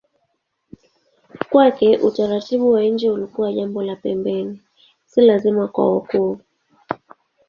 Kwake utaratibu wa nje ulikuwa jambo la pembeni, si lazima kwa wokovu.